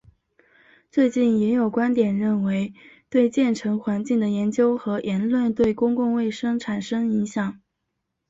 最近也有观点认为对建成环境的研究和言论对公共卫生产生影响。